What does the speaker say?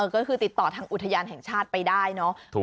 ก็คือติดต่อทางอุทยานแห่งชาติไปได้เนาะ